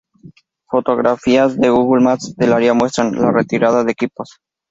Fotografías de Google Maps del área muestran la retirada de equipos.